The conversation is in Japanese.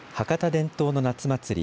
伝統の夏祭り